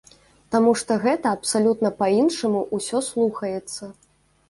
Таму што гэта абсалютна па-іншаму ўсё слухаецца.